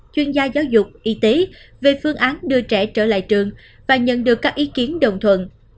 chuyên gia giáo dục y tế về phương án đưa trẻ trở lại trường và nhận được các ý kiến đồng thuận